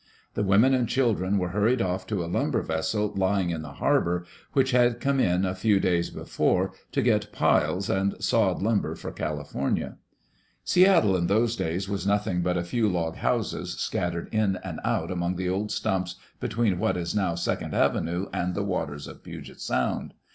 The women and children were hurried off to a lumber vessel lying in the harbor which had come in a few days before to get piles and sawed lumber for California. Seattle, in those days, was nothing but a few log houses scattered in and out among the old stumps between what is now Second Avenue and the waters of Puget Sound.